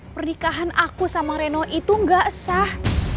pernikahan aku sama reno itu gak sah